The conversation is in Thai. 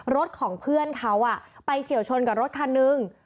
รถของเพื่อนเขาไปเฉียวชนกับรถคันนึง